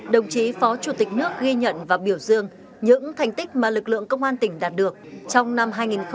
đồng chí phó chủ tịch nước ghi nhận và biểu dương những thành tích mà lực lượng công an tỉnh đạt được trong năm hai nghìn hai mươi ba